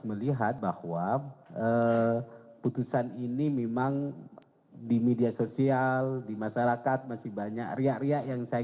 melihat bahwa putusan ini memang di media sosial di masyarakat masih banyak riak riak yang saya